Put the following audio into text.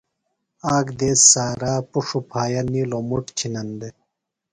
آک دیس سارا پُݜوۡ پھایہ نِیلوۡ مُٹ چِھنن دےۡ۔